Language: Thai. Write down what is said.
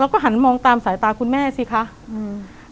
แล้วก็หันมองตามสายตาคุณแม่สิคะอืม